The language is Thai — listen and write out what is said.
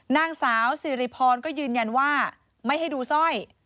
นางสาวสิริพรก็ยืนยันว่าไม่ให้ดูสร้อย